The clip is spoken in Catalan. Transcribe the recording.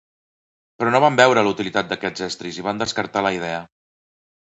Però no van veure la utilitat d'aquests estris i van descartar la idea.